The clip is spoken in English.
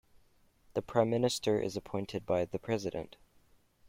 The Prime Minister is appointed by the President.